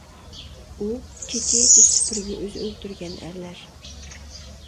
ئۇ كېچىچە سۈپۈرگە ئۆزى ئۆلتۈرگەن ئەرلەر.